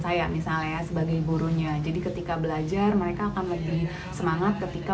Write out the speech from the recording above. saya misalnya sebagai burungnya jadi ketika belajar mereka akan lebih semangat ketika melihat beberapa hal itu yang penting bagi kita